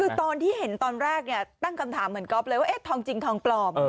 คือตอนที่เห็นตอนแรกเนี่ยตั้งคำถามเหมือนก๊อฟเลยว่าเอ๊ะทองจริงทองปลอม